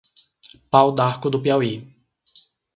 Pau d'Arco do Piauí